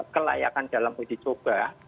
kelayakan dalam uji coba